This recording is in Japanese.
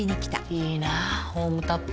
いいなホームタップ。